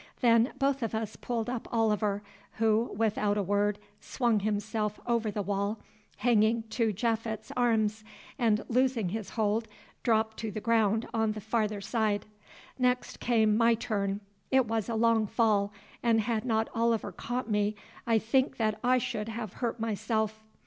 Then both of us pulled up Oliver, who, without a word, swung himself over the wall, hanging to Japhet's arms, and loosing his hold, dropped to the ground on the farther side. Next came my turn. It was a long fall, and had not Oliver caught me I think that I should have hurt myself.